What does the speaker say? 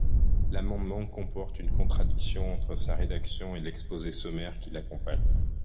L’amendement comporte une contradiction entre sa rédaction et l’exposé sommaire qui l’accompagne.